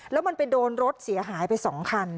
แล้วมันไปโดนรถเสียหายไป๒คัน